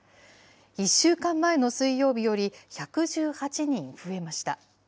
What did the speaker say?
１週間前の水曜日より１１８人増えました。